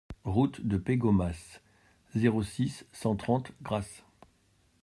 Route de Pégomas, zéro six, cent trente Grasse